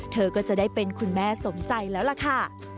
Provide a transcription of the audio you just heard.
เธอก็จะได้เป็นคุณแม่สมใจแล้วล่ะค่ะ